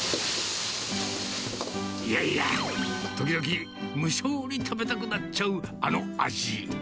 いやいや、時々無性に食べたくなっちゃう、あの味。